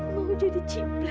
mau jadi ciptaan